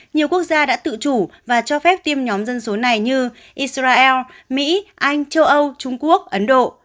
nhiều quốc gia đã tự chủ và cho phép tiêm nhóm dân số này như israel mỹ anh châu âu trung quốc ấn độ